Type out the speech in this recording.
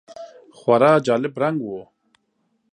خورا جالب رنګ و .